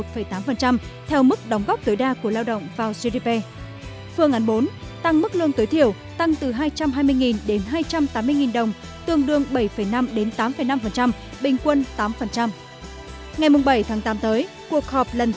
phương án bốn tăng mức lương tối thiểu từ một trăm hai mươi đồng tương đương sáu sáu đến bảy bình quân sáu tám